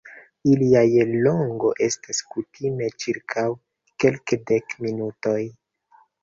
Ilia longo estas kutime ĉirkaŭ kelkdek minutoj.